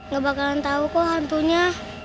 ga bakalan tau kok hantunya